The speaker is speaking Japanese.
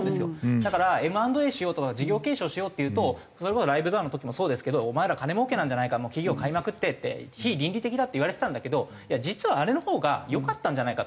だからＭ＆Ａしようとか事業継承しようっていうとそれこそライブドアの時もそうですけどお前ら金もうけなんじゃないか企業買いまくってって非倫理的だって言われてたんだけど実はあれのほうが良かったんじゃないかと。